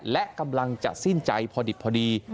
และกำลังจะสิ้นใจพอดิบพอดี